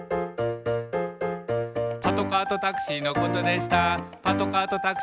「パトカーとタクシーのことでした」